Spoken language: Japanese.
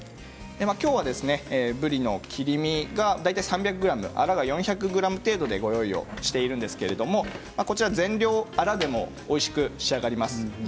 きょうは、ぶりの切り身が大体３００ｇあらが４００ｇ程度でご用意しているんですけれどもこちらは全量あらでもおいしく仕上がります。